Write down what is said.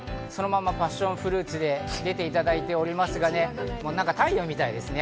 そのままパッションフルーツで出ていただいておりますが、太陽みたいですね。